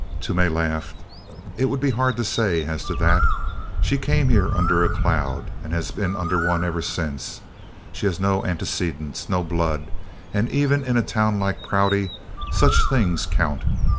Toomey laughed. "It would be hard to say as to that. She came here under a cloud, and has been under one ever since. She has no antecedents, no blood, and even in a town like Prouty such things count.